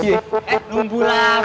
eh numbuh apa